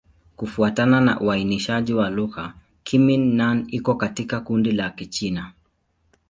Kufuatana na uainishaji wa lugha, Kimin-Nan iko katika kundi la Kichina.